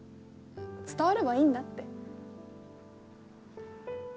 伝わればいいんだって。